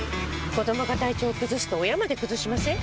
子どもが体調崩すと親まで崩しません？